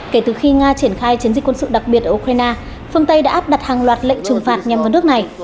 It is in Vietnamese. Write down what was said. kể từ khi nga triển khai chiến dịch quân sự đặc biệt ở ukraine phương tây đã áp đặt hàng loạt lệnh trừng phạt nhằm vào nước này